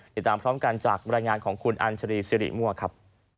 ติดตามพร้อมกันจากบรรยายงานของคุณอัญชรีสิริมั่วครับ